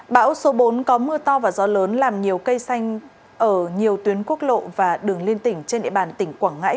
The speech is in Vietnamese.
bão số bốn có mưa to và gió lớn làm nhiều cây xanh ở nhiều tuyến quốc lộ và đường liên tỉnh trên địa bàn tỉnh quảng ngãi